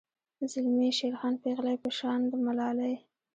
زلمي یی شیرخان پیغلۍ په شان د ملالۍ